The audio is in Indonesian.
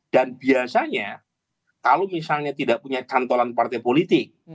dan biasanya kalau misalnya tidak punya cantolan partai politik